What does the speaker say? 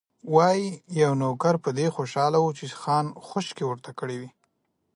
وايي، یو نوکر په دې خوشاله و چې خان خوشکې ورته کړې وې.